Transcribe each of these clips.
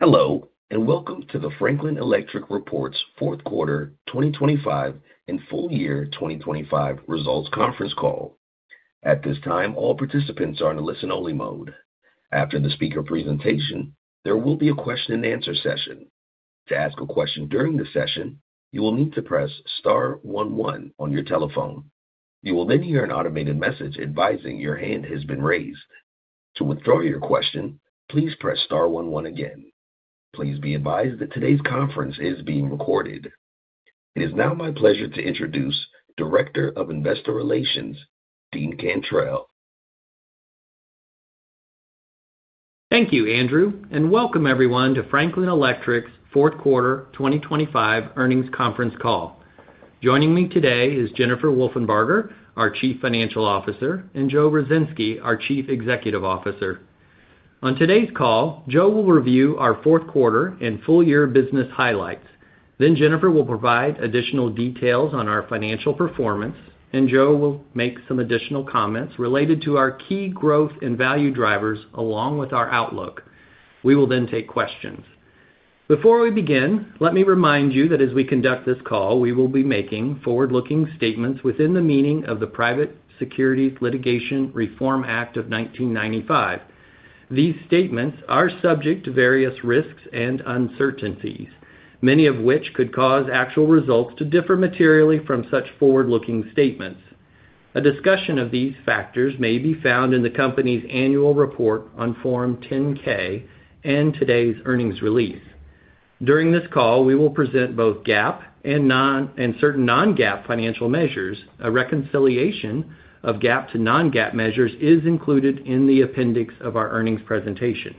Hello, and welcome to the Franklin Electric reports fourth quarter, 2025 and full year 2025 results conference call. At this time, all participants are in a listen-only mode. After the speaker presentation, there will be a question-and-answer session. To ask a question during the session, you will need to press star one one on your telephone. You will then hear an automated message advising your hand has been raised. To withdraw your question, please press star one one again. Please be advised that today's conference is being recorded. It is now my pleasure to introduce Director of Investor Relations, Dean Cantrell. Thank you, Andrew, and welcome everyone to Franklin Electric's fourth quarter 2025 earnings conference call. Joining me today is Jennifer Wolfenbarger, our Chief Financial Officer, and Joe Ruzynski, our Chief Executive Officer. On today's call, Joe will review our fourth quarter and full year business highlights. Then Jennifer will provide additional details on our financial performance, and Joe will make some additional comments related to our key growth and value drivers, along with our outlook. We will then take questions. Before we begin, let me remind you that as we conduct this call, we will be making forward-looking statements within the meaning of the Private Securities Litigation Reform Act of 1995. These statements are subject to various risks and uncertainties, many of which could cause actual results to differ materially from such forward-looking statements. A discussion of these factors may be found in the company's annual report on Form 10-K and today's earnings release. During this call, we will present both GAAP and non-GAAP and certain non-GAAP financial measures. A reconciliation of GAAP to non-GAAP measures is included in the appendix of our earnings presentation.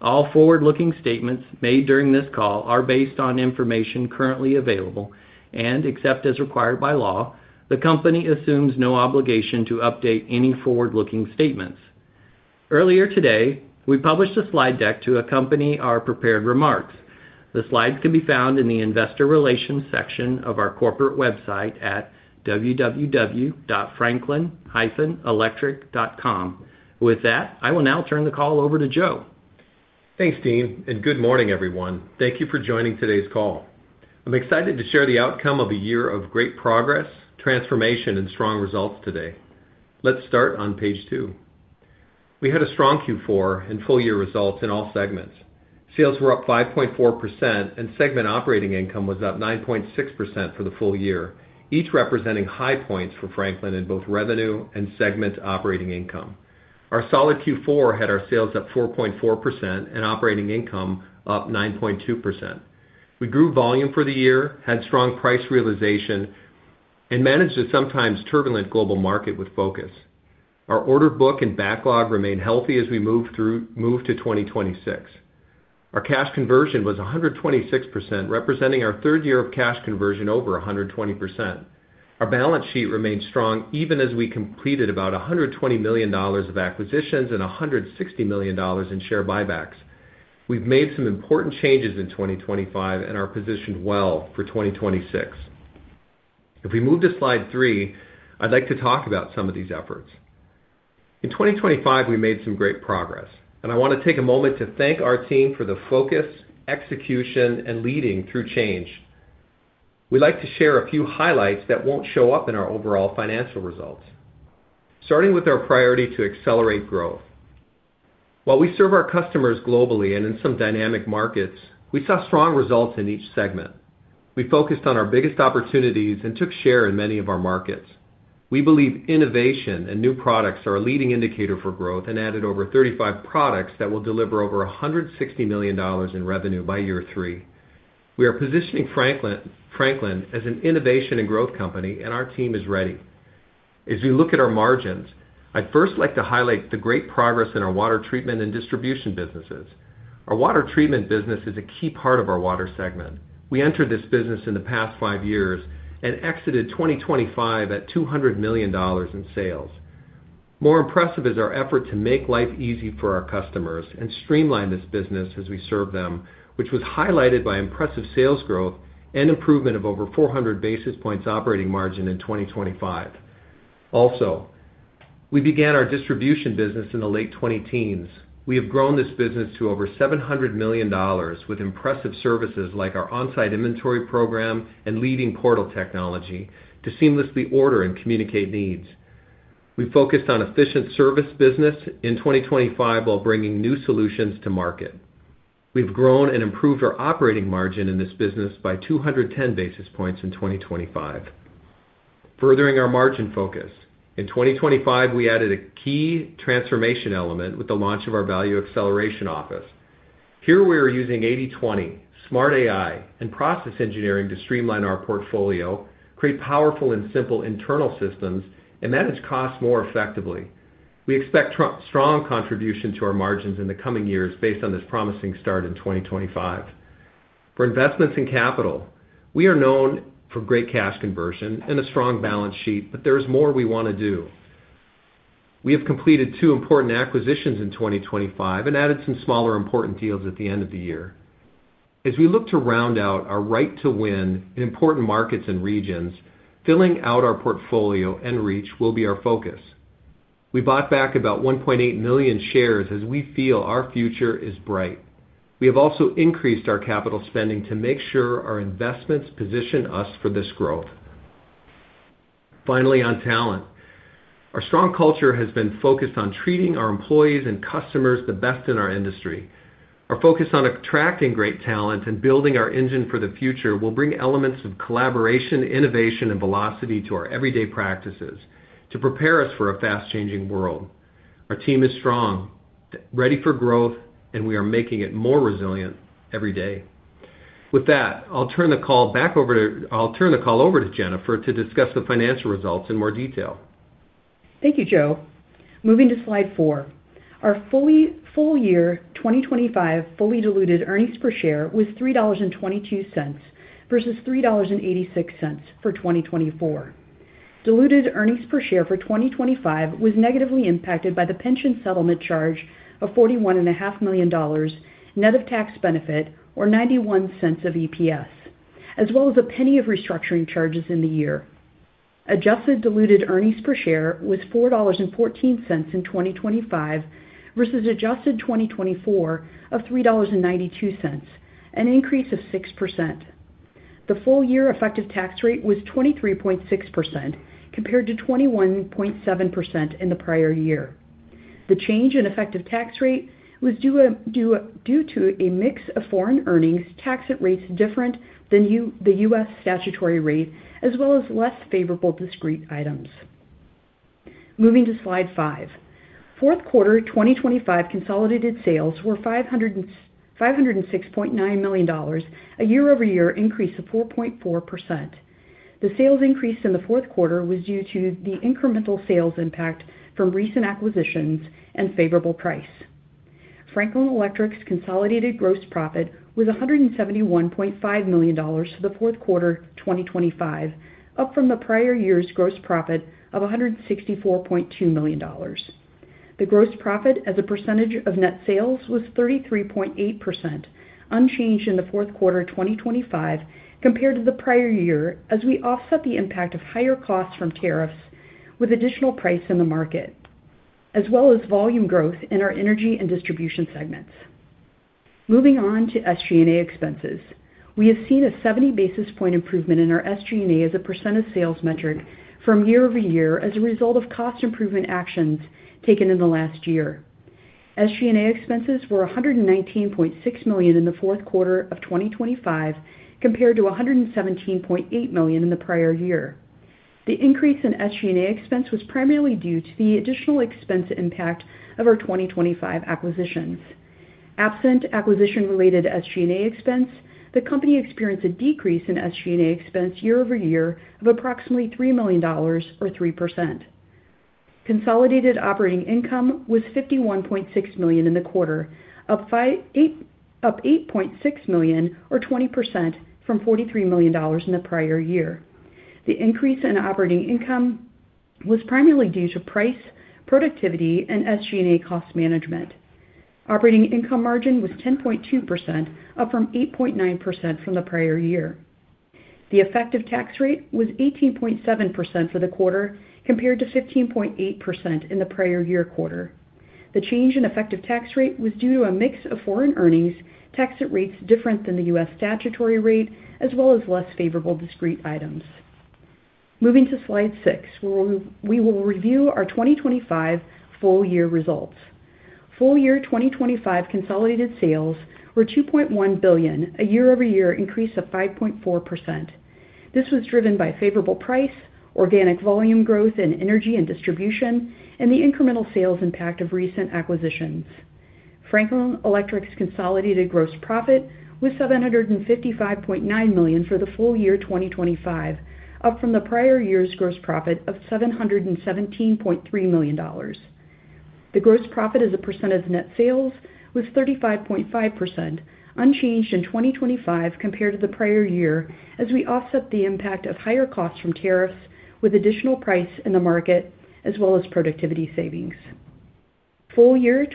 All forward-looking statements made during this call are based on information currently available, and except as required by law, the company assumes no obligation to update any forward-looking statements. Earlier today, we published a slide deck to accompany our prepared remarks. The slides can be found in the Investor Relations section of our corporate website at www.franklin-electric.com. With that, I will now turn the call over to Joe. Thanks, Dean, and good morning, everyone. Thank you for joining today's call. I'm excited to share the outcome of a year of great progress, transformation, and strong results today. Let's start on page 2. We had a strong Q4 and full year results in all segments. Sales were up 5.4%, and segment operating income was up 9.6% for the full year, each representing high points for Franklin in both revenue and segment operating income. Our solid Q4 had our sales up 4.4% and operating income up 9.2%. We grew volume for the year, had strong price realization, and managed a sometimes turbulent global market with focus. Our order book and backlog remain healthy as we move to 2026. Our cash conversion was 126%, representing our third year of cash conversion over 120%. Our balance sheet remains strong, even as we completed about $120 million of acquisitions and $160 million in share buybacks. We've made some important changes in 2025 and are positioned well for 2026. If we move to slide 3, I'd like to talk about some of these efforts. In 2025, we made some great progress, and I want to take a moment to thank our team for the focus, execution, and leading through change. We'd like to share a few highlights that won't show up in our overall financial results. Starting with our priority to accelerate growth. While we serve our customers globally and in some dynamic markets, we saw strong results in each segment. We focused on our biggest opportunities and took share in many of our markets. We believe innovation and new products are a leading indicator for growth and added over 35 products that will deliver over $160 million in revenue by year 3. We are positioning Franklin, Franklin, as an innovation and growth company, and our team is ready. As we look at our margins, I'd first like to highlight the great progress in our water treatment and distribution businesses. Our water treatment business is a key part of our water segment. We entered this business in the past 5 years and exited 2025 at $200 million in sales. More impressive is our effort to make life easy for our customers and streamline this business as we serve them, which was highlighted by impressive sales growth and improvement of over 400 basis points operating margin in 2025. Also, we began our distribution business in the late 2010s. We have grown this business to over $700 million, with impressive services like our on-site inventory program and leading portal technology to seamlessly order and communicate needs. We focused on efficient service business in 2025 while bringing new solutions to market. We've grown and improved our operating margin in this business by 210 basis points in 2025. Furthering our margin focus, in 2025, we added a key transformation element with the launch of our Value Acceleration Office. Here, we are using 80/20, smart AI, and process engineering to streamline our portfolio, create powerful and simple internal systems, and manage costs more effectively. We expect strong contribution to our margins in the coming years based on this promising start in 2025. For investments in capital, we are known for great cash conversion and a strong balance sheet, but there is more we wanna do. We have completed two important acquisitions in 2025 and added some smaller, important deals at the end of the year.... As we look to round out our right to win in important markets and regions, filling out our portfolio and reach will be our focus. We bought back about 1.8 million shares as we feel our future is bright. We have also increased our capital spending to make sure our investments position us for this growth. Finally, on talent. Our strong culture has been focused on treating our employees and customers the best in our industry. Our focus on attracting great talent and building our engine for the future will bring elements of collaboration, innovation, and velocity to our everyday practices to prepare us for a fast-changing world. Our team is strong, ready for growth, and we are making it more resilient every day. With that, I'll turn the call over to Jennifer to discuss the financial results in more detail. Thank you, Joe. Moving to Slide 4. Our full year 2025 fully diluted earnings per share was $3.22, versus $3.86 for 2024. Diluted earnings per share for 2025 was negatively impacted by the pension settlement charge of $41.5 million, net of tax benefit, or $0.91 of EPS, as well as $0.01 of restructuring charges in the year. Adjusted diluted earnings per share was $4.14 in 2025, versus adjusted 2024 of $3.92, an increase of 6%. The full year effective tax rate was 23.6%, compared to 21.7% in the prior year. The change in effective tax rate was due to a mix of foreign earnings, taxed at rates different than the US statutory rate, as well as less favorable discrete items. Moving to Slide 5. Fourth quarter 2025 consolidated sales were $506.9 million, a year-over-year increase of 4.4%. The sales increase in the fourth quarter was due to the incremental sales impact from recent acquisitions and favorable price. Franklin Electric's consolidated gross profit was $171.5 million for the fourth quarter 2025, up from the prior year's gross profit of $164.2 million. The gross profit as a percentage of net sales was 33.8%, unchanged in the fourth quarter of 2025 compared to the prior year, as we offset the impact of higher costs from tariffs with additional price in the market, as well as volume growth in our energy and distribution segments. Moving on to SG&A expenses. We have seen a 70 basis point improvement in our SG&A as a % of sales metric from year-over-year as a result of cost improvement actions taken in the last year. SG&A expenses were $119.6 million in the fourth quarter of 2025, compared to $117.8 million in the prior year. The increase in SG&A expense was primarily due to the additional expense impact of our 2025 acquisitions. Absent acquisition-related SG&A expense, the company experienced a decrease in SG&A expense year-over-year of approximately $3 million or 3%. Consolidated operating income was $51.6 million in the quarter, up $8.6 million, or 20%, from $43 million in the prior year. The increase in operating income was primarily due to price, productivity, and SG&A cost management. Operating income margin was 10.2%, up from 8.9% from the prior year. The effective tax rate was 18.7% for the quarter, compared to 15.8% in the prior year quarter. The change in effective tax rate was due to a mix of foreign earnings, taxed at rates different than the U.S. statutory rate, as well as less favorable discrete items. Moving to Slide 6, where we will review our 2025 full year results. Full year 2025 consolidated sales were $2.1 billion, a year-over-year increase of 5.4%. This was driven by favorable price, organic volume growth in energy and distribution, and the incremental sales impact of recent acquisitions. Franklin Electric's consolidated gross profit was $755.9 million for the full year 2025, up from the prior year's gross profit of $717.3 million. The gross profit as a percent of net sales was 35.5%, unchanged in 2025 compared to the prior year, as we offset the impact of higher costs from tariffs with additional price in the market, as well as productivity savings. Full year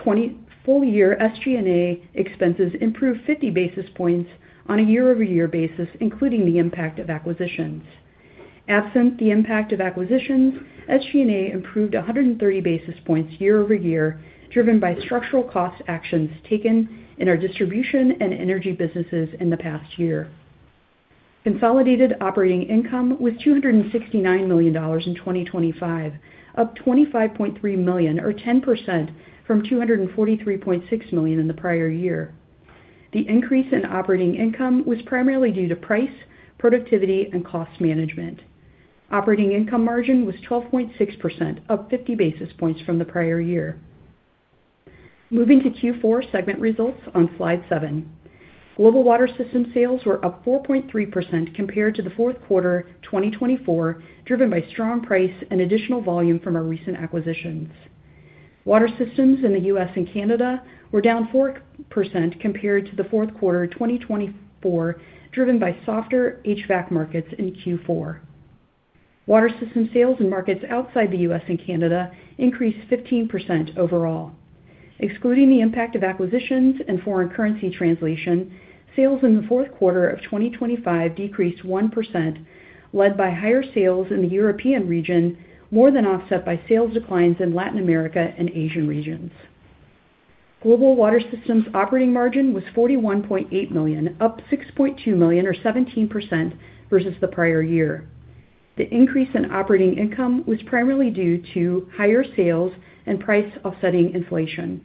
SG&A expenses improved 50 basis points on a year-over-year basis, including the impact of acquisitions. Absent the impact of acquisitions, SG&A improved 130 basis points year-over-year, driven by structural cost actions taken in our distribution and energy businesses in the past year. Consolidated operating income was $269 million in 2025, up $25.3 million, or 10%, from $243.6 million in the prior year. The increase in operating income was primarily due to price, productivity, and cost management. Operating income margin was 12.6%, up 50 basis points from the prior year. Moving to Q4 segment results on Slide 7. Global Water Systems sales were up 4.3% compared to the fourth quarter, 2024, driven by strong price and additional volume from our recent acquisitions. Water Systems in the U.S. and Canada were down 4% compared to the fourth quarter, 2024, driven by softer HVAC markets in Q4. Water Systems sales in markets outside the U.S. and Canada increased 15% overall. Excluding the impact of acquisitions and foreign currency translation, sales in the fourth quarter of 2025 decreased 1%, led by higher sales in the European region, more than offset by sales declines in Latin America and Asian regions. Global Water Systems' operating margin was $41.8 million, up $6.2 million, or 17%, versus the prior year. The increase in operating income was primarily due to higher sales and price offsetting inflation.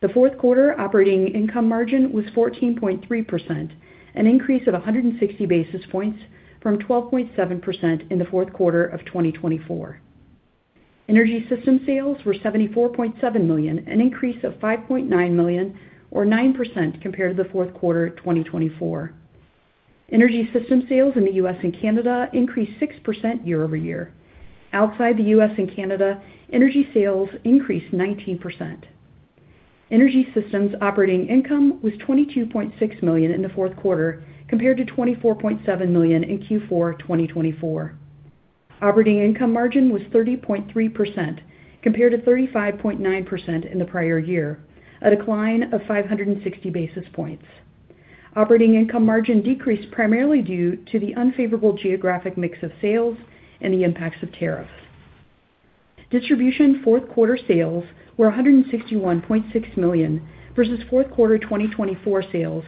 The fourth quarter operating income margin was 14.3%, an increase of 160 basis points from 12.7% in the fourth quarter of 2024. Energy Systems sales were $74.7 million, an increase of $5.9 million, or 9% compared to the fourth quarter of 2024. Energy Systems sales in the U.S. and Canada increased 6% year-over-year. Outside the U.S. and Canada, Energy Systems sales increased 19%. Energy Systems' operating income was $22.6 million in the fourth quarter, compared to $24.7 million in Q4 2024. Operating income margin was 30.3%, compared to 35.9% in the prior year, a decline of 560 basis points. Operating income margin decreased primarily due to the unfavorable geographic mix of sales and the impacts of tariffs. Distribution fourth quarter sales were $161.6 million, versus fourth quarter 2024 sales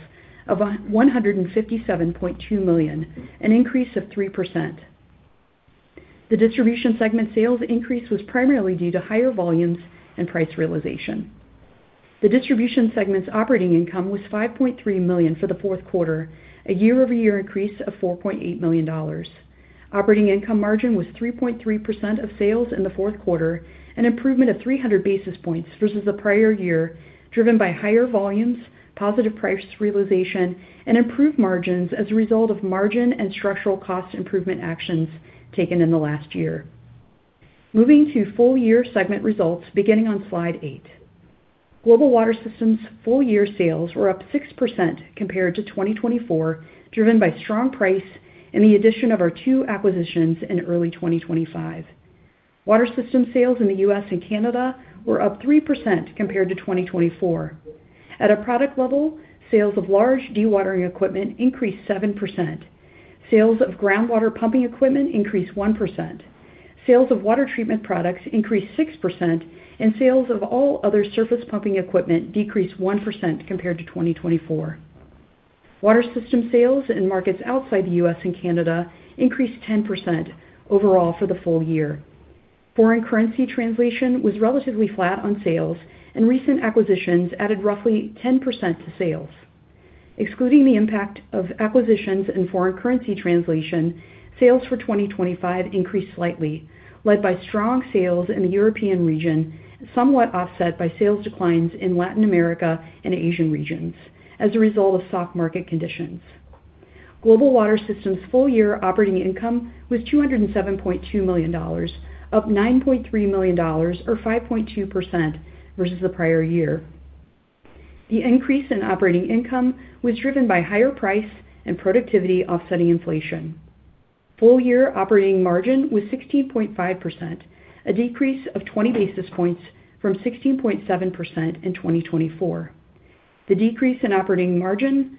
of $157.2 million, an increase of 3%. The distribution segment sales increase was primarily due to higher volumes and price realization. The distribution segment's operating income was $5.3 million for the fourth quarter, a year-over-year increase of $4.8 million. Operating income margin was 3.3% of sales in the fourth quarter, an improvement of 300 basis points versus the prior year, driven by higher volumes, positive price realization, and improved margins as a result of margin and structural cost improvement actions taken in the last year. Moving to full year segment results, beginning on Slide 8. Global Water Systems' full-year sales were up 6% compared to 2024, driven by strong price and the addition of our 2 acquisitions in early 2025. Water Systems sales in the US and Canada were up 3% compared to 2024. At a product level, sales of large dewatering equipment increased 7%. Sales of groundwater pumping equipment increased 1%. Sales of water treatment products increased 6%, and sales of all other surface pumping equipment decreased 1% compared to 2024. Water Systems sales in markets outside the US and Canada increased 10% overall for the full year. Foreign currency translation was relatively flat on sales, and recent acquisitions added roughly 10% to sales. Excluding the impact of acquisitions and foreign currency translation, sales for 2025 increased slightly, led by strong sales in the Europe region, somewhat offset by sales declines in Latin America and Asia regions as a result of soft market conditions. Global Water Systems' full-year operating income was $207.2 million, up $9.3 million, or 5.2%, versus the prior year. The increase in operating income was driven by higher price and productivity offsetting inflation. Full-year operating margin was 16.5%, a decrease of 20 basis points from 16.7% in 2024. The decrease in operating margin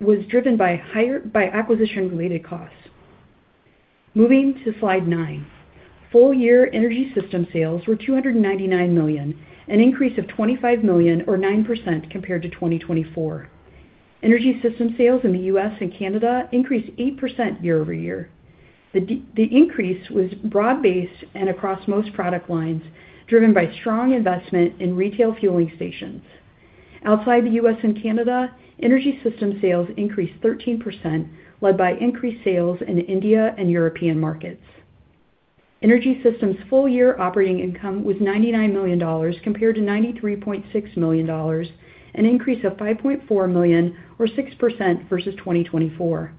was driven by higher by acquisition-related costs. Moving to Slide 9. Full-year Energy Systems sales were $299 million, an increase of $25 million or 9% compared to 2024. Energy Systems sales in the U.S. and Canada increased 8% year-over-year. The increase was broad-based and across most product lines, driven by strong investment in retail fueling stations. Outside the US and Canada, Energy Systems sales increased 13%, led by increased sales in India and European markets. Energy Systems' full-year operating income was $99 million, compared to $93.6 million, an increase of $5.4 million, or 6% versus 2024.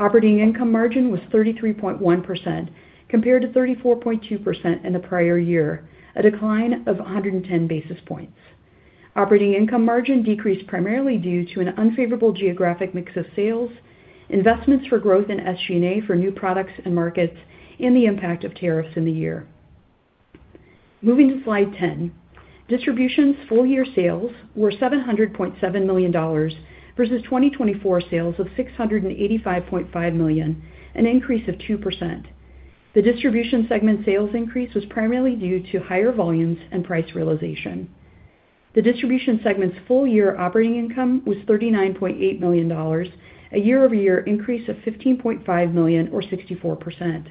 Operating income margin was 33.1%, compared to 34.2% in the prior year, a decline of 110 basis points. Operating income margin decreased primarily due to an unfavorable geographic mix of sales, investments for growth in SG&A for new products and markets, and the impact of tariffs in the year. Moving to Slide 10. Distribution's full-year sales were $700.7 million versus 2024 sales of $685.5 million, an increase of 2%. The distribution segment sales increase was primarily due to higher volumes and price realization. The distribution segment's full-year operating income was $39.8 million, a year-over-year increase of $15.5 million, or 64%.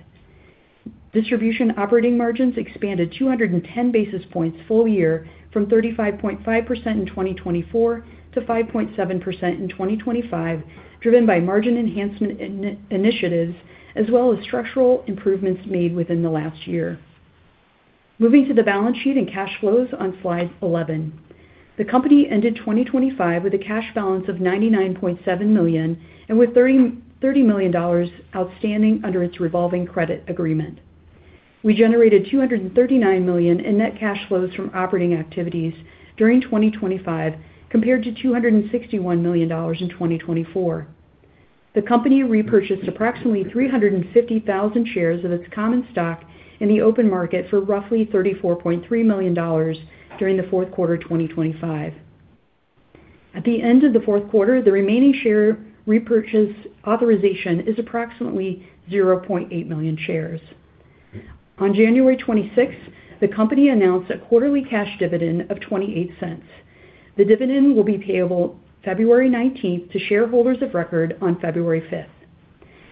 Distribution operating margins expanded 210 basis points full-year, from 35.5% in 2024 to 5.7% in 2025, driven by margin enhancement initiatives as well as structural improvements made within the last year. Moving to the balance sheet and cash flows on Slide 11. The company ended 2025 with a cash balance of $99.7 million and with $30 million outstanding under its revolving credit agreement.... We generated $239 million in net cash flows from operating activities during 2025, compared to $261 million in 2024. The company repurchased approximately 350,000 shares of its common stock in the open market for roughly $34.3 million during the fourth quarter 2025. At the end of the fourth quarter, the remaining share repurchase authorization is approximately 0.8 million shares. On January 26th, the company announced a quarterly cash dividend of $0.28. The dividend will be payable February 19th to shareholders of record on February 5th.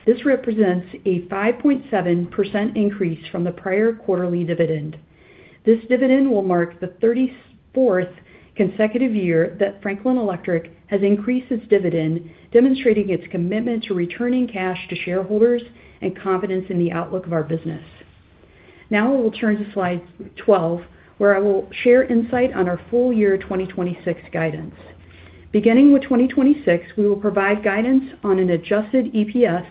This represents a 5.7% increase from the prior quarterly dividend. This dividend will mark the 34th consecutive year that Franklin Electric has increased its dividend, demonstrating its commitment to returning cash to shareholders and confidence in the outlook of our business. Now I will turn to Slide 12, where I will share insight on our full year 2026 guidance. Beginning with 2026, we will provide guidance on an adjusted EPS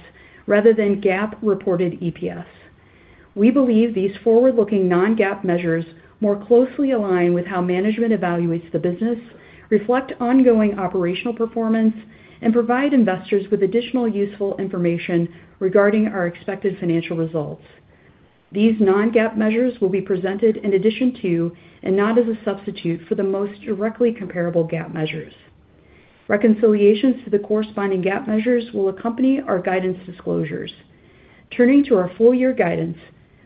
rather than GAAP reported EPS. We believe these forward-looking non-GAAP measures more closely align with how management evaluates the business, reflect ongoing operational performance, and provide investors with additional useful information regarding our expected financial results. These non-GAAP measures will be presented in addition to, and not as a substitute for, the most directly comparable GAAP measures. Reconciliations to the corresponding GAAP measures will accompany our guidance disclosures. Turning to our full year guidance,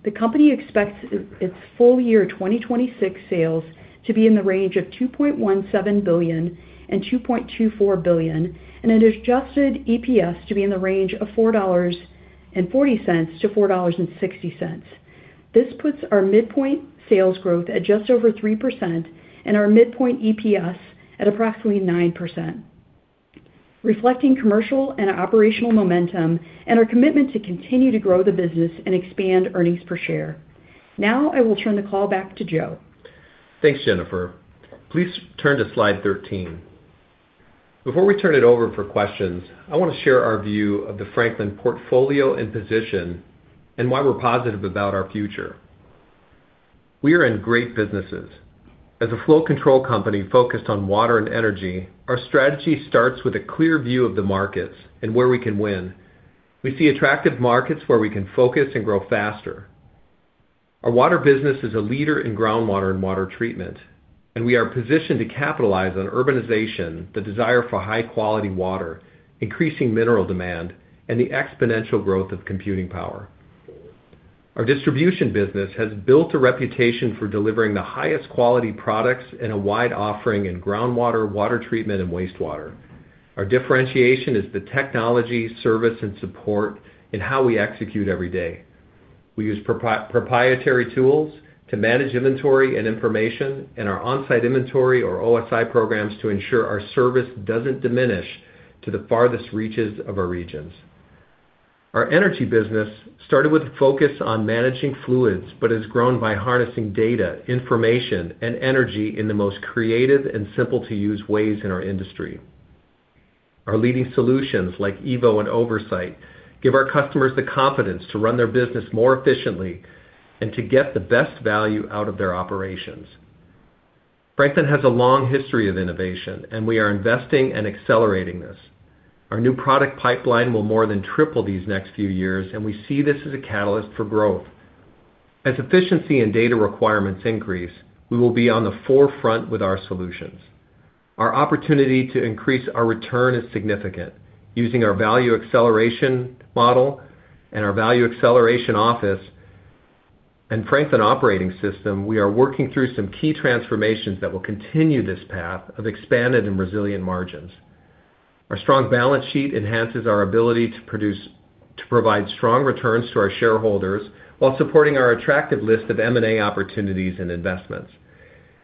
the company expects its full year 2026 sales to be in the range of $2.17 billion-$2.24 billion, and an adjusted EPS to be in the range of $4.40-$4.60. This puts our midpoint sales growth at just over 3% and our midpoint EPS at approximately 9%, reflecting commercial and operational momentum and our commitment to continue to grow the business and expand earnings per share. Now I will turn the call back to Joe. Thanks, Jennifer. Please turn to Slide 13. Before we turn it over for questions, I want to share our view of the Franklin portfolio and position and why we're positive about our future. We are in great businesses. As a flow control company focused on water and energy, our strategy starts with a clear view of the markets and where we can win. We see attractive markets where we can focus and grow faster. Our water business is a leader in groundwater and water treatment, and we are positioned to capitalize on urbanization, the desire for high-quality water, increasing mineral demand, and the exponential growth of computing power. Our distribution business has built a reputation for delivering the highest quality products and a wide offering in groundwater, water treatment, and wastewater. Our differentiation is the technology, service, and support in how we execute every day. We use proprietary tools to manage inventory and information, and our on-site inventory, or OSI programs, to ensure our service doesn't diminish to the farthest reaches of our regions. Our energy business started with a focus on managing fluids, but has grown by harnessing data, information, and energy in the most creative and simple-to-use ways in our industry. Our leading solutions, like EVO and Oversite, give our customers the confidence to run their business more efficiently and to get the best value out of their operations. Franklin has a long history of innovation, and we are investing and accelerating this. Our new product pipeline will more than triple these next few years, and we see this as a catalyst for growth. As efficiency and data requirements increase, we will be on the forefront with our solutions. Our opportunity to increase our return is significant. Using our value acceleration model and our Value Acceleration Office and Franklin Operating System, we are working through some key transformations that will continue this path of expanded and resilient margins. Our strong balance sheet enhances our ability to provide strong returns to our shareholders, while supporting our attractive list of M&A opportunities and investments.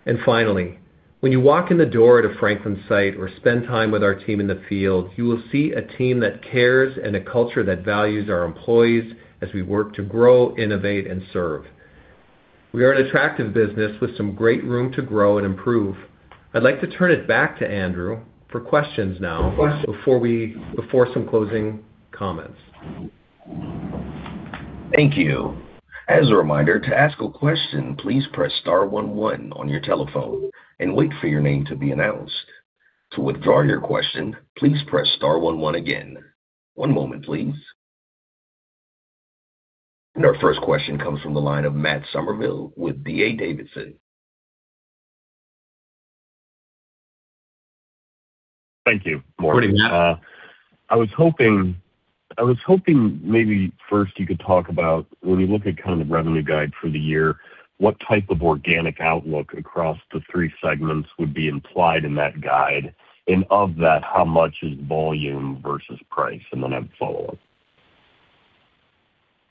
And finally, when you walk in the door at a Franklin site or spend time with our team in the field, you will see a team that cares and a culture that values our employees as we work to grow, innovate, and serve. We are an attractive business with some great room to grow and improve. I'd like to turn it back to Andrew for questions now, before some closing comments. Thank you. As a reminder, to ask a question, please press star one one on your telephone and wait for your name to be announced. To withdraw your question, please press star one one again. One moment, please. Our first question comes from the line of Matt Summerville with D.A. Davidson. Thank you, morning. Good morning, Matt. I was hoping, I was hoping maybe first you could talk about when you look at kind of revenue guide for the year, what type of organic outlook across the three segments would be implied in that guide? And of that, how much is volume versus price? And then I have a follow-up.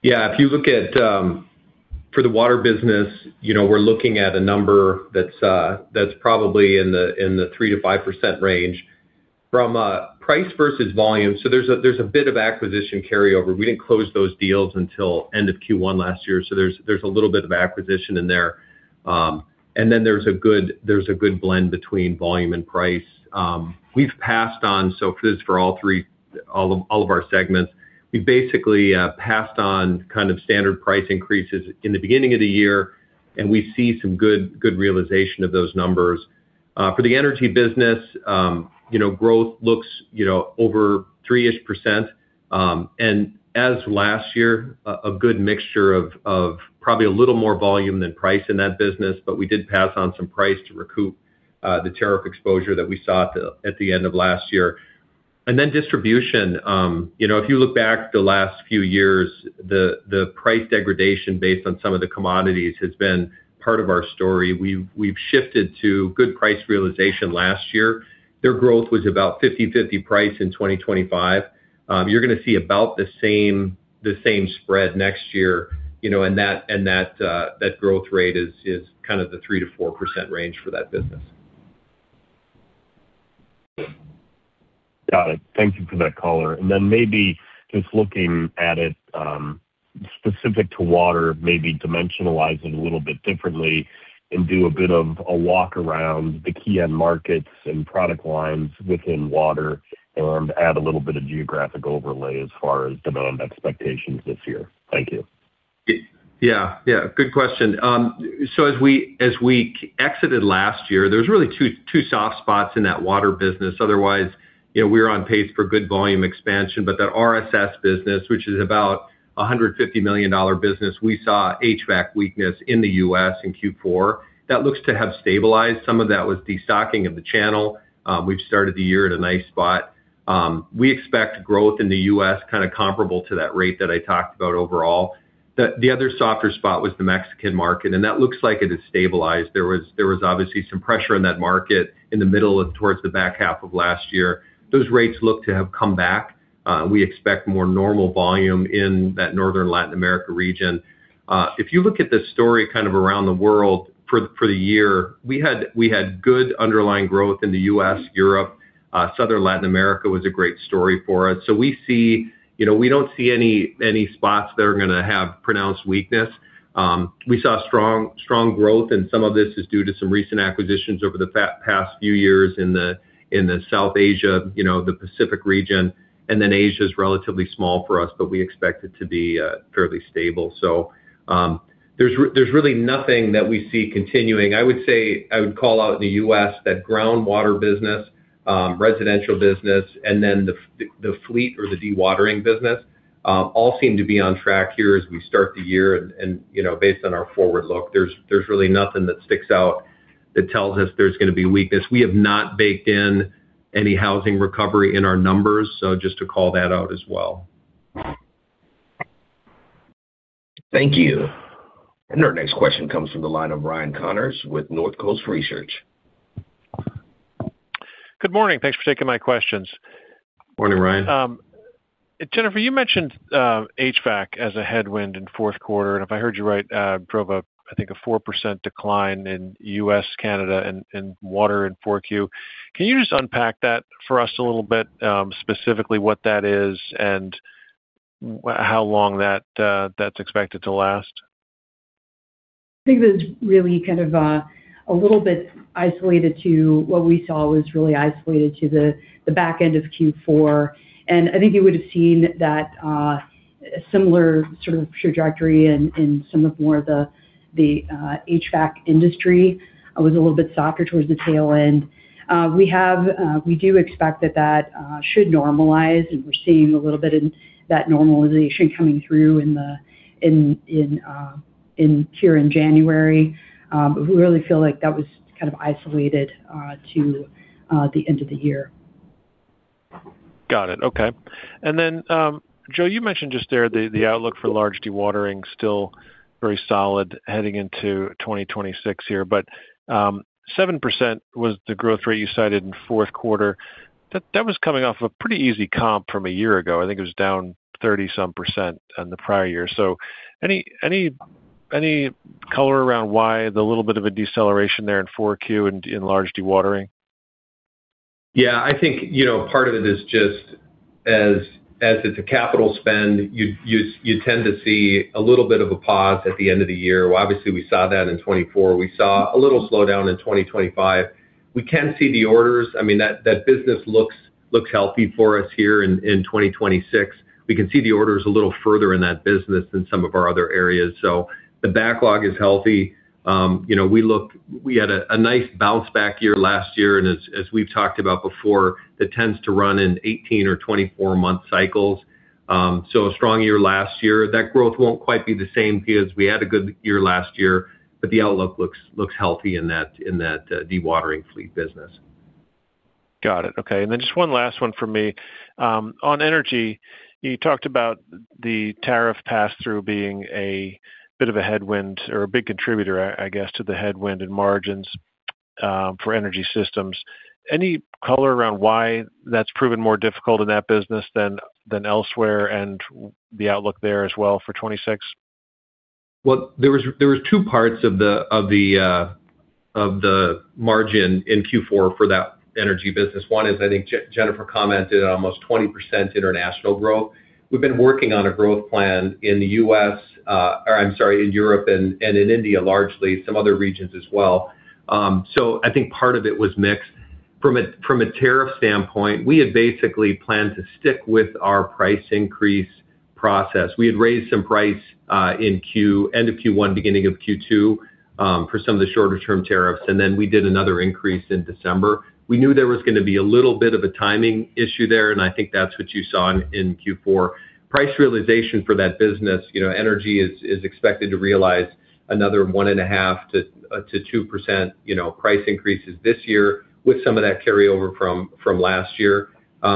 Yeah, if you look at for the water business, you know, we're looking at a number that's that's probably in the in the 3%-5% range. From price versus volume, so there's a there's a bit of acquisition carryover. We didn't close those deals until end of Q1 last year, so there's there's a little bit of acquisition in there. And then there's a good there's a good blend between volume and price. We've passed on, so this is for all three, all all of our segments. We basically passed on kind of standard price increases in the beginning of the year, and we see some good good realization of those numbers. For the energy business, you know, growth looks you know, over 3-ish%. And as of last year, a good mixture of probably a little more volume than price in that business, but we did pass on some price to recoup the tariff exposure that we saw at the end of last year. And then distribution, you know, if you look back the last few years, the price degradation based on some of the commodities has been part of our story. We've shifted to good price realization last year. Their growth was about 50/50 price in 2025. You're gonna see about the same spread next year, you know, and that growth rate is kind of the 3%-4% range for that business. Got it. Thank you for that color. And then maybe just looking at it, specific to water, maybe dimensionalize it a little bit differently and do a bit of a walk around the key end markets and product lines within water, and add a little bit of geographic overlay as far as demand expectations this year. Thank you. Yeah, yeah, good question. So as we exited last year, there was really two soft spots in that water business. Otherwise, you know, we're on pace for good volume expansion. But that RCS business, which is about a $150 million business, we saw HVAC weakness in the U.S. in Q4. That looks to have stabilized. Some of that was destocking of the channel. We've started the year at a nice spot. We expect growth in the U.S., kind of comparable to that rate that I talked about overall. The other softer spot was the Mexican market, and that looks like it has stabilized. There was obviously some pressure in that market in the middle of towards the back half of last year. Those rates look to have come back. We expect more normal volume in that Northern Latin America region. If you look at this story kind of around the world for the year, we had good underlying growth in the U.S., Europe, Southern Latin America was a great story for us. You know, we don't see any spots that are gonna have pronounced weakness. We saw strong growth, and some of this is due to some recent acquisitions over the past few years in the South Asia, you know, the Pacific region. And then Asia is relatively small for us, but we expect it to be fairly stable. So, there's really nothing that we see continuing. I would say, I would call out the U.S., that groundwater business, residential business, and then the fleet or the dewatering business, all seem to be on track here as we start the year. And you know, based on our forward look, there's really nothing that sticks out that tells us there's gonna be weakness. We have not baked in any housing recovery in our numbers, so just to call that out as well. Thank you. Our next question comes from the line of Ryan Connors with North Coast Research. Good morning. Thanks for taking my questions. Morning, Ryan. Jennifer, you mentioned HVAC as a headwind in fourth quarter, and if I heard you right, drove a, I think, a 4% decline in U.S., Canada, and water in 4Q. Can you just unpack that for us a little bit? Specifically, what that is and how long that's expected to last? I think that's really kind of a little bit isolated to what we saw was really isolated to the back end of Q4. I think you would have seen that similar sort of trajectory in some more of the HVAC industry. It was a little bit softer towards the tail end. We do expect that that should normalize, and we're seeing a little bit of that normalization coming through in here in January. But we really feel like that was kind of isolated to the end of the year. Got it. Okay. And then, Joe, you mentioned just there the outlook for large dewatering still very solid heading into 2026 here. But, seven percent was the growth rate you cited in fourth quarter. That was coming off a pretty easy comp from a year ago. I think it was down thirty some percent on the prior year. So any color around why the little bit of a deceleration there in 4Q in large dewatering? Yeah, I think, you know, part of it is just as it's a capital spend, you tend to see a little bit of a pause at the end of the year. Obviously, we saw that in 2024. We saw a little slowdown in 2025. We can see the orders. I mean, that business looks healthy for us here in 2026. We can see the orders a little further in that business than some of our other areas. So the backlog is healthy. You know, we had a nice bounce back year last year, and as we've talked about before, it tends to run in 18- or 24-month cycles. So a strong year last year. That growth won't quite be the same as we had a good year last year, but the outlook looks healthy in that dewatering fleet business. Got it. Okay. And then just one last one for me. On energy, you talked about the tariff pass-through being a bit of a headwind or a big contributor, I guess, to the headwind in margins for Energy Systems. Any color around why that's proven more difficult in that business than elsewhere, and the outlook there as well for 2026? Well, there was two parts of the margin in Q4 for that energy business. One is, I think, Jennifer commented on almost 20% international growth. We've been working on a growth plan in the U.S., or I'm sorry, in Europe and in India, largely, some other regions as well. So I think part of it was mix. From a tariff standpoint, we had basically planned to stick with our price increase process. We had raised some price in end of Q1, beginning of Q2, for some of the shorter-term tariffs, and then we did another increase in December. We knew there was gonna be a little bit of a timing issue there, and I think that's what you saw in Q4. Price realization for that business, you know, energy is expected to realize another 1.5%-2%, you know, price increases this year, with some of that carryover from last year.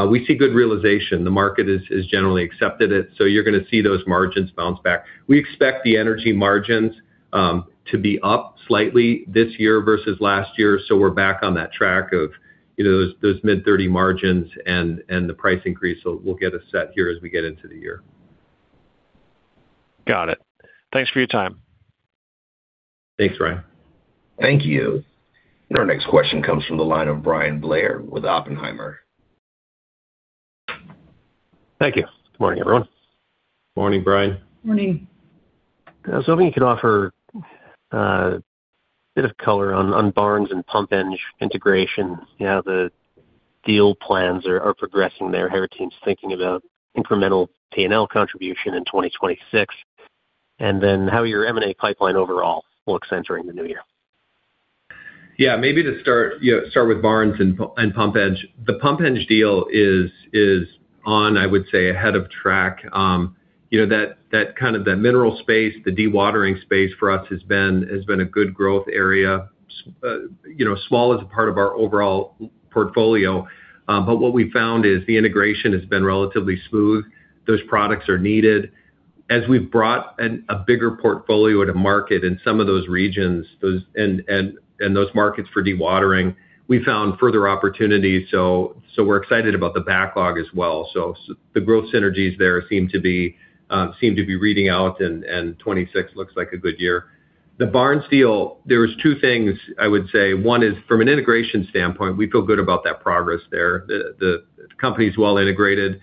We see good realization. The market has generally accepted it, so you're gonna see those margins bounce back. We expect the energy margins to be up slightly this year versus last year, so we're back on that track of, you know, those mid-thirty margins and the price increase. So we'll get a set here as we get into the year. Got it. Thanks for your time. Thanks, Ryan. Thank you. Our next question comes from the line of Bryan Blair with Oppenheimer. Thank you. Good morning, everyone. Morning, Bryan. Morning. I was hoping you could offer a bit of color on Barnes and PumpEng integration, you know, how the deal plans are progressing there, how your team's thinking about incremental P&L contribution in 2026, and then how your M&A pipeline overall will look entering the new year. Yeah, maybe to start, you know, start with Barnes and PumpEng. The PumpEng deal is, is on, I would say, ahead of track. You know, that, that kind of, that mineral space, the dewatering space for us has been, has been a good growth area. You know, small as a part of our overall portfolio, but what we found is the integration has been relatively smooth. Those products are needed. As we've brought a bigger portfolio to market in some of those regions, those... And, and, and those markets for dewatering, we found further opportunities, so, so we're excited about the backlog as well. So the growth synergies there seem to be, seem to be reading out, and, and 2026 looks like a good year. The Barnes deal, there was two things I would say. One is from an integration standpoint, we feel good about that progress there. The company is well integrated.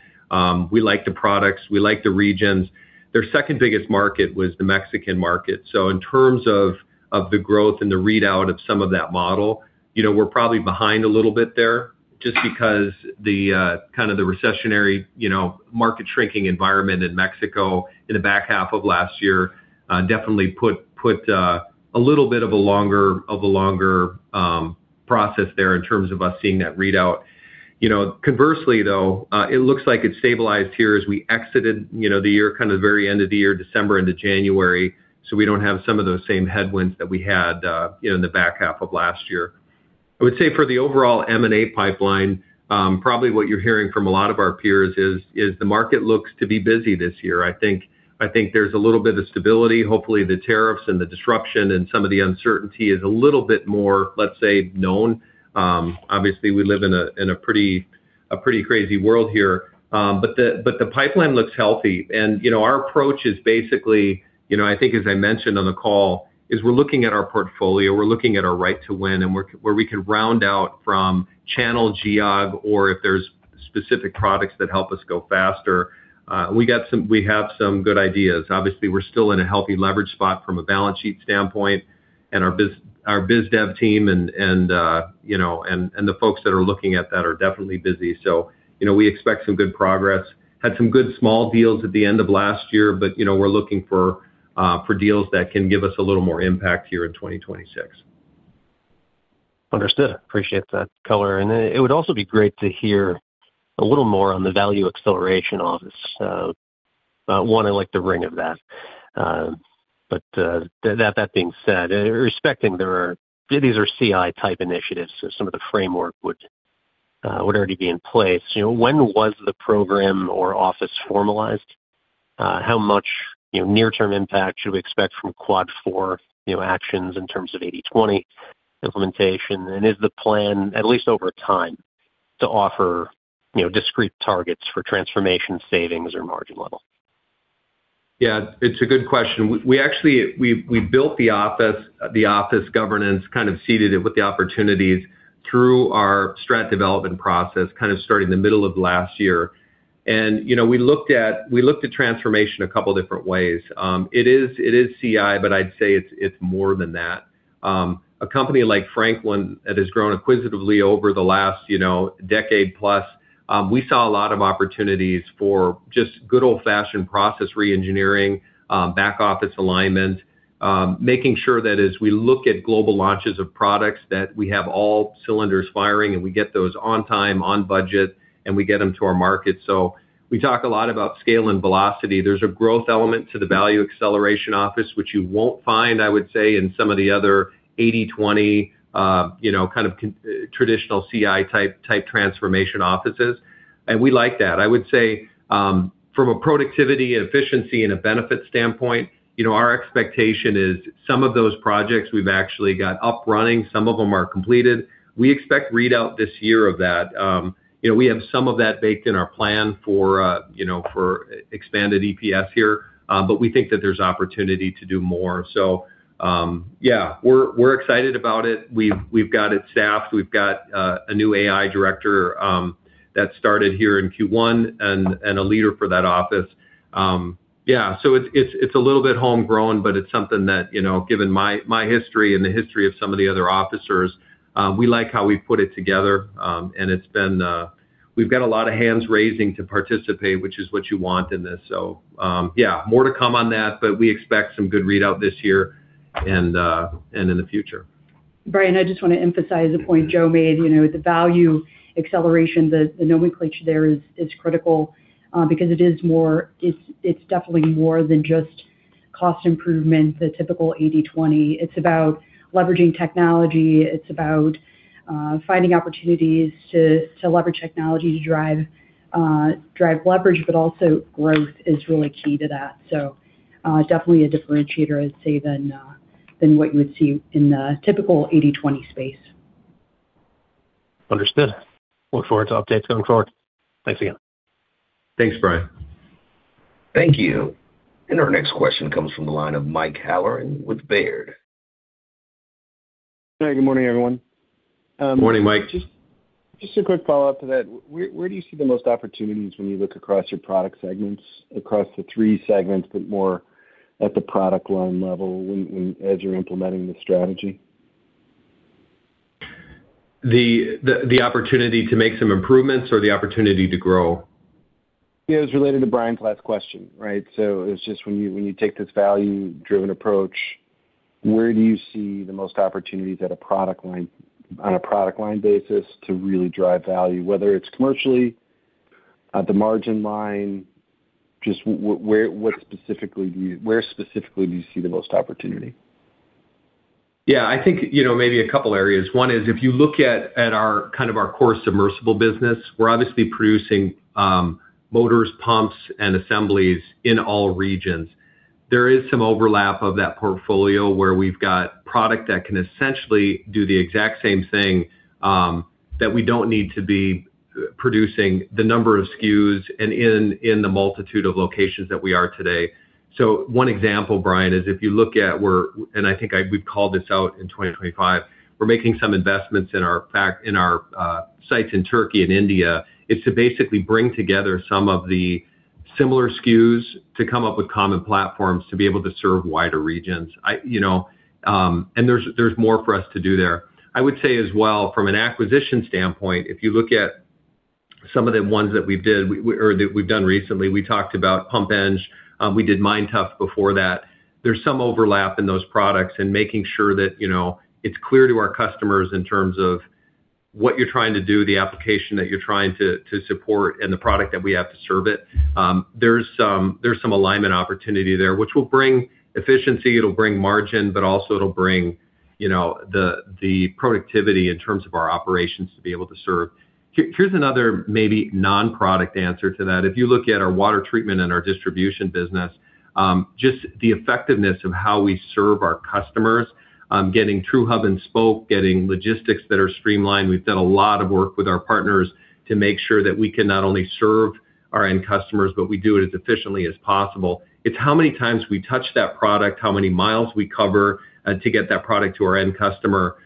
We like the products. We like the regions. Their second-biggest market was the Mexican market. So in terms of the growth and the readout of some of that model, you know, we're probably behind a little bit there just because the kind of the recessionary, you know, market-shrinking environment in Mexico in the back half of last year definitely put a little bit of a longer process there in terms of us seeing that readout. You know, conversely, though, it looks like it stabilized here as we exited, you know, the year, kind of the very end of the year, December into January, so we don't have some of those same headwinds that we had, you know, in the back half of last year. I would say for the overall M&A pipeline, probably what you're hearing from a lot of our peers is the market looks to be busy this year. I think there's a little bit of stability. Hopefully, the tariffs and the disruption and some of the uncertainty is a little bit more, let's say, known. Obviously, we live in a pretty crazy world here. But the pipeline looks healthy. You know, our approach is basically, you know, I think as I mentioned on the call, is we're looking at our portfolio, we're looking at our right to win, and we're where we can round out from channel geog or if there's specific products that help us go faster. We have some good ideas. Obviously, we're still in a healthy leverage spot from a balance sheet standpoint, and our biz, our biz dev team and, and, you know, and the folks that are looking at that are definitely busy. You know, we expect some good progress. Had some good small deals at the end of last year, but, you know, we're looking for deals that can give us a little more impact here in 2026. Understood. Appreciate that color. And it would also be great to hear a little more on the Value AccelerationOoffice. I like the ring of that. But that being said, respecting that there are these CI-type initiatives, so some of the framework would already be in place. When was the program or office formalized? How much near-term impact should we expect from Q4 actions in terms of 80/20 implementation? And is the plan, at least over time, to offer discrete targets for transformation savings or margin level? Yeah, it's a good question. We actually built the office governance, kind of seeded it with the opportunities through our strat development process, kind of starting in the middle of last year. And, you know, we looked at transformation a couple different ways. It is CI, but I'd say it's more than that. A company like Franklin, that has grown acquisitively over the last, you know, decade plus, we saw a lot of opportunities for just good old-fashioned process reengineering, back office alignment, making sure that as we look at global launches of products, that we have all cylinders firing, and we get those on time, on budget, and we get them to our market. So we talk a lot about scale and velocity. There's a growth element to the Value Acceleration Office, which you won't find, I would say, in some of the other 80/20, you know, kind of conventional traditional CI-type transformation offices, and we like that. I would say, from a productivity and efficiency and a benefit standpoint, you know, our expectation is some of those projects we've actually got up running, some of them are completed. We expect readout this year of that. You know, we have some of that baked in our plan for, you know, for expanded EPS here, but we think that there's opportunity to do more. So, yeah, we're excited about it. We've got it staffed. We've got a new AI director that started here in Q1 and a leader for that office. Yeah, so it's a little bit homegrown, but it's something that, you know, given my history and the history of some of the other officers, we like how we've put it together. And it's been. We've got a lot of hands raising to participate, which is what you want in this. So, yeah, more to come on that, but we expect some good readout this year and in the future. Bryan, I just wanna emphasize a point Joe made, you know, the value acceleration, the nomenclature there is critical, because it is more. It's definitely more than just cost improvement, the typical 80/20. It's about leveraging technology. It's about finding opportunities to leverage technology to drive leverage, but also growth is really key to that. So, definitely a differentiator, I'd say, than what you would see in the typical 80/20 space. Understood. Look forward to updates going forward. Thanks again. Thanks, Bryan. Thank you. And our next question comes from the line of Mike Halloran with Baird. Hi, good morning, everyone. Morning, Mike. Just, just a quick follow-up to that. Where, where do you see the most opportunities when you look across your product segments, across the three segments, but more at the product line level, when, when... as you're implementing the strategy? The opportunity to make some improvements or the opportunity to grow? Yeah, it was related to Bryan's last question, right? So it's just when you, when you take this value-driven approach, where do you see the most opportunities at a product line, on a product line basis to really drive value, whether it's commercially, at the margin line, just where, what specifically do you, where specifically do you see the most opportunity? Yeah, I think, you know, maybe a couple areas. One is, if you look at our kind of our core submersible business, we're obviously producing motors, pumps, and assemblies in all regions. There is some overlap of that portfolio where we've got product that can essentially do the exact same thing that we don't need to be producing the number of SKUs and in the multitude of locations that we are today. So one example, Bryan, is if you look at where, and I think we've called this out in 2025, we're making some investments in our sites in Turkey and India to basically bring together some of the similar SKUs to come up with common platforms to be able to serve wider regions. I, you know, and there's more for us to do there. I would say as well, from an acquisition standpoint, if you look at some of the ones that we did, or that we've done recently, we talked about PumpEng, we did MineTuff before that. There's some overlap in those products and making sure that, you know, it's clear to our customers in terms of what you're trying to do, the application that you're trying to support, and the product that we have to serve it. There's some alignment opportunity there, which will bring efficiency, it'll bring margin, but also it'll bring, you know, the productivity in terms of our operations to be able to serve. Here's another maybe non-product answer to that. If you look at our water treatment and our distribution business, just the effectiveness of how we serve our customers, getting true hub and spoke, getting logistics that are streamlined. We've done a lot of work with our partners to make sure that we can not only serve our end customers, but we do it as efficiently as possible. It's how many times we touch that product, how many miles we cover, to get that product to our end customer.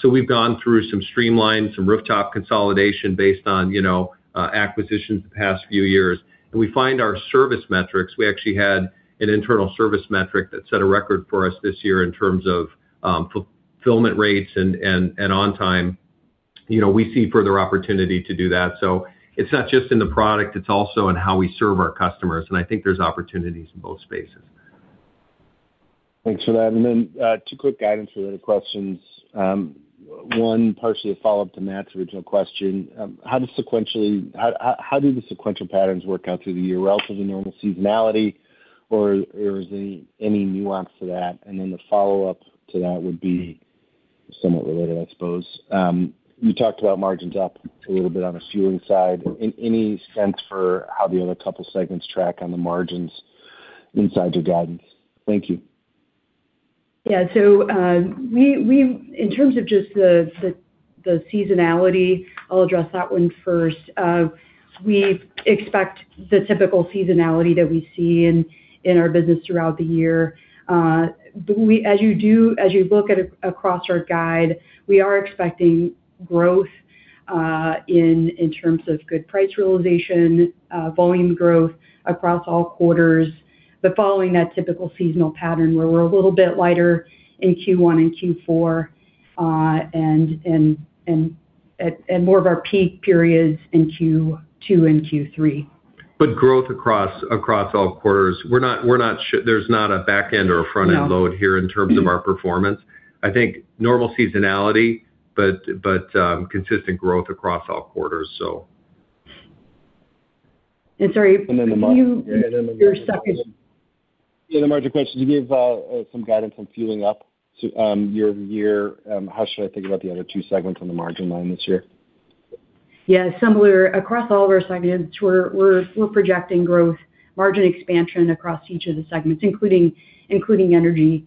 So we've gone through some streamlines, some rooftop consolidation based on, you know, acquisitions the past few years. And we find our service metrics. We actually had an internal service metric that set a record for us this year in terms of, fulfillment rates and on time. You know, we see further opportunity to do that. It's not just in the product, it's also in how we serve our customers, and I think there's opportunities in both spaces. Thanks for that. And then, two quick guidance-related questions. One, partially a follow-up to Matt's original question. How do the sequential patterns work out through the year, relative to normal seasonality, or is there any nuance to that? And then the follow-up to that would be somewhat related, I suppose. You talked about margins up a little bit on the fueling side. Any sense for how the other couple segments track on the margins inside your guidance? Thank you. Yeah. So, in terms of just the seasonality, I'll address that one first. We expect the typical seasonality that we see in our business throughout the year. As you look at across our guide, we are expecting growth, in terms of good price realization, volume growth across all quarters, but following that typical seasonal pattern where we're a little bit lighter in Q1 and Q4, and more of our peak periods in Q2 and Q3. But growth across all quarters. We're not. There's not a back end or a front-end load- No... here in terms of our performance. I think normal seasonality, but consistent growth across all quarters, so. Sorry, can you- And then the margin- Your second. Yeah, the margin question. You gave some guidance on fueling up year-over-year. How should I think about the other two segments on the margin line this year? Yeah, similar. Across all of our segments, we're projecting growth, margin expansion across each of the segments, including energy.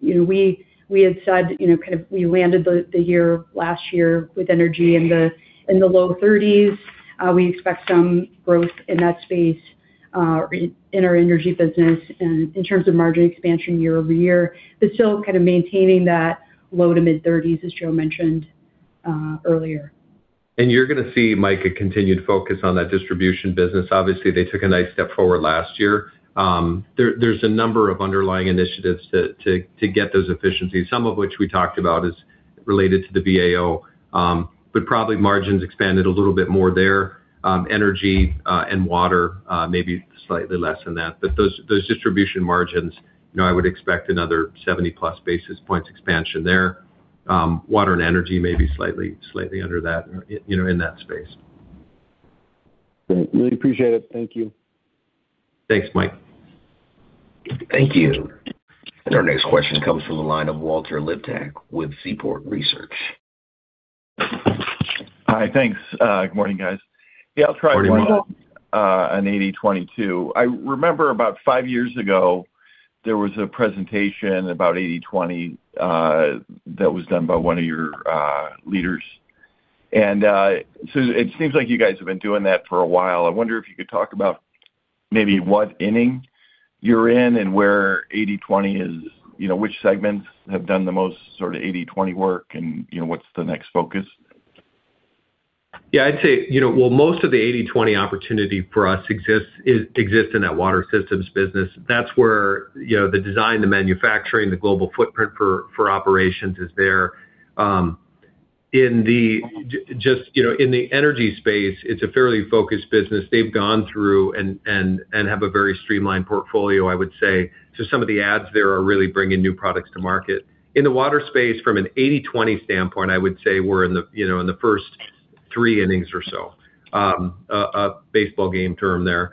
You know, we had said, you know, kind of, we landed the year last year with energy in the low 30s. We expect some growth in that space, in our energy business and in terms of margin expansion year over year, but still kind of maintaining that low to mid-30s, as Joe mentioned earlier. You're gonna see, Mike, a continued focus on that distribution business. Obviously, they took a nice step forward last year. There's a number of underlying initiatives to get those efficiencies, some of which we talked about is related to the EVO, but probably margins expanded a little bit more there. Energy and water maybe slightly less than that. But those distribution margins, you know, I would expect another 70+ basis points expansion there. Water and energy may be slightly under that, you know, in that space. Great. Really appreciate it. Thank you. Thanks, Mike. Thank you. Our next question comes from the line of Walter Liptak with Seaport Research. Hi, thanks. Good morning, guys. Yeah, I'll try- Good morning, Walter. An 80/20 too. I remember about five years ago, there was a presentation about 80/20, that was done by one of your, leaders. And, so it seems like you guys have been doing that for a while. I wonder if you could talk about maybe what inning you're in and where 80/20 is, you know, which segments have done the most sort of 80/20 work, and, you know, what's the next focus? Yeah, I'd say, you know, well, most of the 80/20 opportunity for us exists in that Water Systems business. That's where, you know, the design, the manufacturing, the global footprint for operations is there. Just, you know, in the energy space, it's a fairly focused business. They've gone through and have a very streamlined portfolio, I would say. So some of the adds there are really bringing new products to market. In the water space, from an 80/20 standpoint, I would say we're in the, you know, in the first three innings or so, a baseball game term there.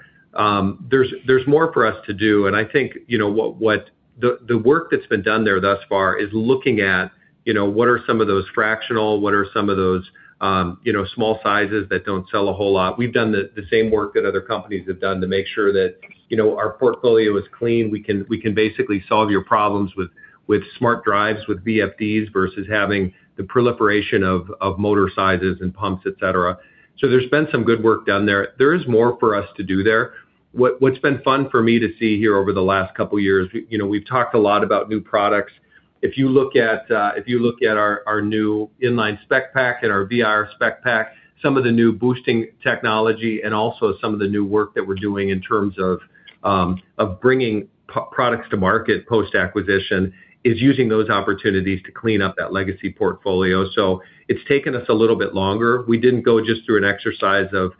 There's more for us to do, and I think, you know, what, what... The work that's been done there thus far is looking at, you know, what are some of those fractional, what are some of those small sizes that don't sell a whole lot? We've done the same work that other companies have done to make sure that, you know, our portfolio is clean. We can basically solve your problems with smart drives, with VFDs, versus having the proliferation of motor sizes and pumps, et cetera. So there's been some good work done there. There is more for us to do there. What's been fun for me to see here over the last couple of years, you know, we've talked a lot about new products. If you look at our new Inline SpecPAK and our VR SpecPAK, some of the new boosting technology and also some of the new work that we're doing in terms of bringing products to market post-acquisition is using those opportunities to clean up that legacy portfolio. So it's taken us a little bit longer. We didn't go just through an exercise of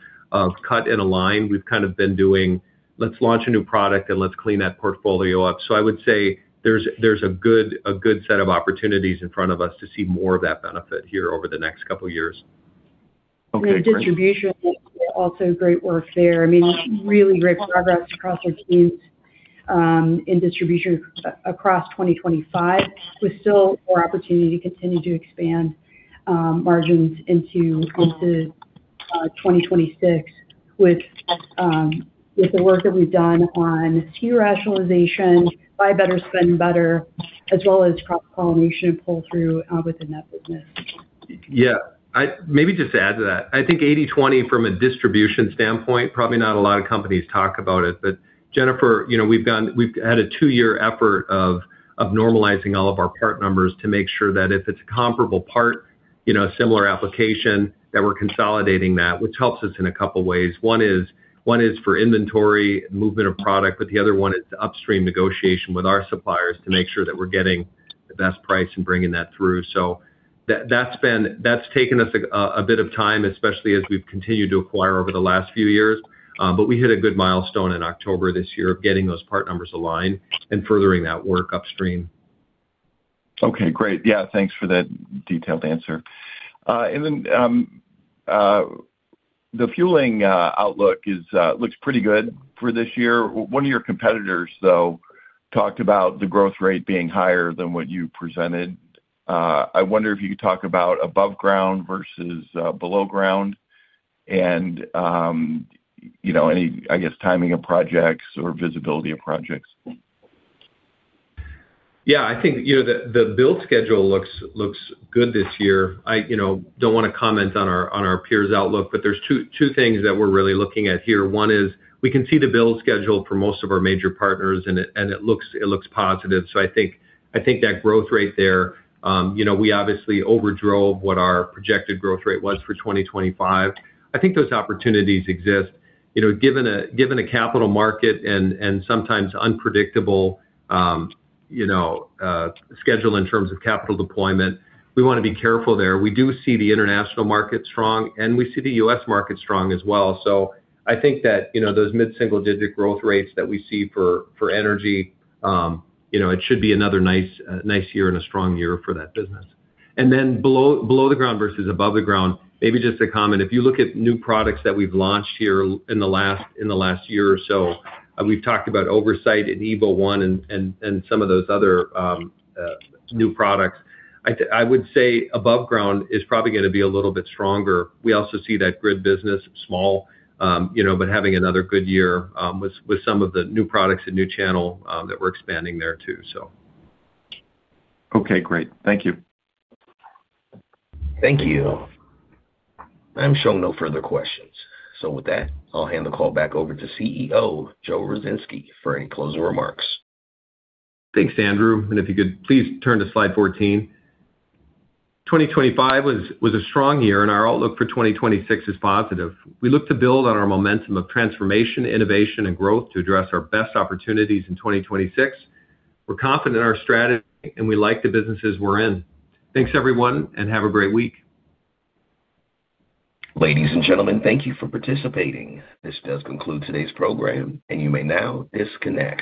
cut and align. We've kind of been doing, "Let's launch a new product, and let's clean that portfolio up." So I would say there's a good set of opportunities in front of us to see more of that benefit here over the next couple of years. Okay. In distribution, also great work there. I mean, really great progress across our teams, in distribution across 2025, with still more opportunity to continue to expand, margins into, into, 2026 with, with the work that we've done on tail rationalization, buy better, spend better, as well as cross-pollination pull-through, within that business. Yeah, maybe just to add to that, I think 80/20 from a distribution standpoint, probably not a lot of companies talk about it, but Jennifer, you know, we've had a two-year effort of normalizing all of our part numbers to make sure that if it's a comparable part, you know, a similar application, that we're consolidating that, which helps us in a couple of ways. One is for inventory, movement of product, but the other one is upstream negotiation with our suppliers to make sure that we're getting the best price and bringing that through. So that's taken us a bit of time, especially as we've continued to acquire over the last few years, but we hit a good milestone in October this year of getting those part numbers aligned and furthering that work upstream. Okay, great. Yeah, thanks for that detailed answer. And then, the fueling outlook is, looks pretty good for this year. One of your competitors, though, talked about the growth rate being higher than what you presented. I wonder if you could talk about above ground versus, below ground and, you know, any, I guess, timing of projects or visibility of projects. Yeah, I think, you know, the build schedule looks good this year. I you know don't wanna comment on our peers' outlook, but there's two things that we're really looking at here. One is we can see the build schedule for most of our major partners, and it looks positive. So I think that growth rate there, you know, we obviously overdrove what our projected growth rate was for 2025. I think those opportunities exist. You know, given a capital market and sometimes unpredictable schedule in terms of capital deployment, we wanna be careful there. We do see the international market strong, and we see the U.S. market strong as well. So I think that, you know, those mid-single-digit growth rates that we see for energy, you know, it should be another nice, nice year and a strong year for that business. And then below the ground versus above the ground, maybe just a comment. If you look at new products that we've launched here in the last year or so, and we've talked about Oversite and EVO and some of those other new products, I would say above ground is probably gonna be a little bit stronger. We also see that grid business, small, you know, but having another good year, with some of the new products and new channel that we're expanding there, too, so. Okay, great. Thank you. Thank you. I'm showing no further questions. So with that, I'll hand the call back over to CEO Joe Ruzynski for any closing remarks. Thanks, Andrew, and if you could please turn to slide 14. 2025 was a strong year, and our outlook for 2026 is positive. We look to build on our momentum of transformation, innovation, and growth to address our best opportunities in 2026. We're confident in our strategy, and we like the businesses we're in. Thanks, everyone, and have a great week. Ladies and gentlemen, thank you for participating. This does conclude today's program, and you may now disconnect.